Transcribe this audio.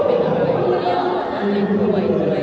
เขาไม่จำเป็นไงแล้ว